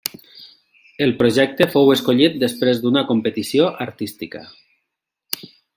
El projecte fou escollit després d'una competició artística.